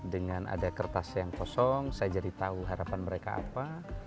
dengan ada kertas yang kosong saya jadi tahu harapan mereka apa